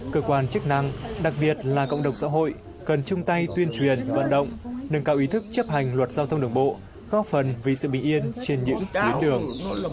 cơ quan chức năng đặc biệt là cộng đồng xã hội cần chung tay tuyên truyền vận động nâng cao ý thức chấp hành luật giao thông đường bộ góp phần vì sự bình yên trên những tuyến đường